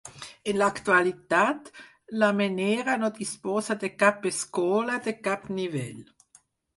En l'actualitat, la Menera no disposa de cap escola, de cap nivell.